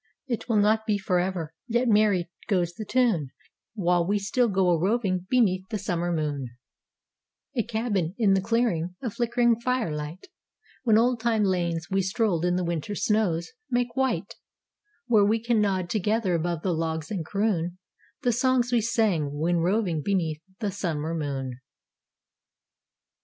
It will not be forever, yet merry goes the tune While we still go a roving beneath the summer moon: A cabin, in the clearing, of flickering firelight When old time lanes we strolled in the winter snows make white: Where we can nod together above the logs and croon The songs we sang when roving beneath the summer moon.